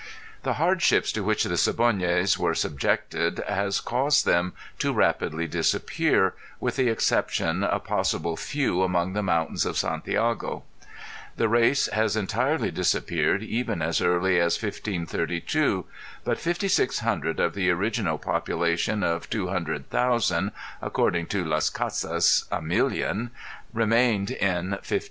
The hardships to which the Siboneyes were subjected has caused them to rapidly disappear, with the exception a possible few among the mountains of Santiago. The race has entirely disappeared even as early as 1532 but 5,600 of the original population of two hundred thousand (according to Las Casas 1.000.000) remained in 1511.